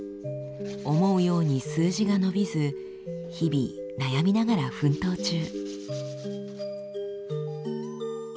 思うように数字が伸びず日々悩みながら奮闘中。